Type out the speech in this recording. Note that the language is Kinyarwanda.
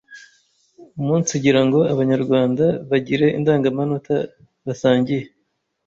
Umunsigira ngo Abanyarwanda bagire Indangamanota basangiye